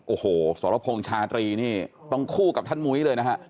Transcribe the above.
โอ้โหสรพงษ์ชาตรีนี่ต้องคู่กับท่านมุ้ยเลยนะฮะ